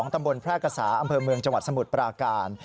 ตำบลแพร่กษาอำเภอเมืองจังหวัดสมุทรปราการ